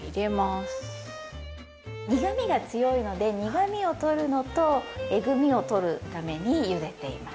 苦味が強いので苦味を取るのとえぐみを取るためにゆでています。